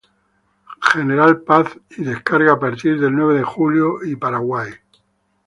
Gral Paz y descarga a partir de Nueve de Julio y Paraguay.